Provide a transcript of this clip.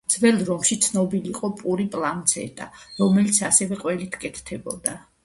ძველ რომში ცნობილი იყო პური პლაცენტა, რომელსაც ასევე ყველით კეთდებოდა.